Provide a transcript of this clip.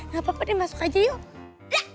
gak apa apa dia masuk aja yuk